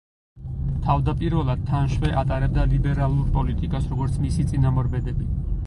თავდაპირველად თან შვე ატარებდა ლიბერალურ პოლიტიკას, როგორც მისი წინამორბედები.